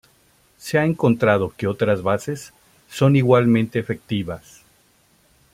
Se ha encontrado que otras bases son igualmente efectivas.